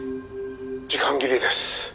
「時間切れです」